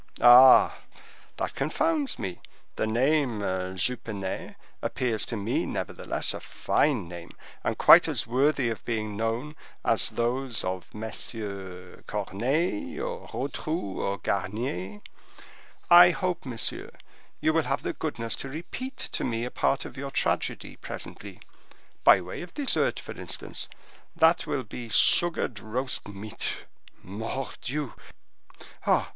"Ah! that confounds me. That name, Jupenet, appears to me, nevertheless, a fine name, and quite as worthy of being known as those of MM. Corneille, or Rotrou, or Garnier. I hope, monsieur, you will have the goodness to repeat to me a part of your tragedy presently, by way of dessert, for instance. That will be sugared roast meat,—mordioux! Ah!